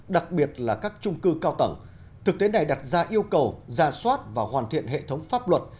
đặc biệt là các trung cư cao tầng thực tế này đặt ra yêu cầu ra soát và hoàn thiện hệ thống pháp luật